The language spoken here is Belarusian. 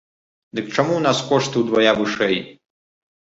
Дык чаму ў нас кошты ўдвая вышэй?